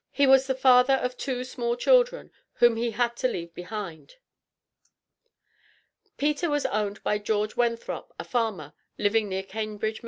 He was the father of two small children, whom he had to leave behind. Peter was owned by George Wenthrop, a farmer, living near Cambridge, Md.